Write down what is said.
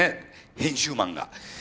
編集マンが。